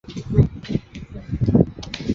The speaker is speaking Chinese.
该岛也是富士箱根伊豆国立公园的一部分。